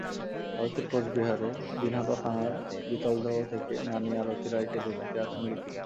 ভারতের কোচবিহারের দিনহাটা থানার গিতালদহ থেকে নানি আরতী রায়কে দেখতে আসে লিপি রায়।